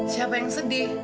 siapa yang sedih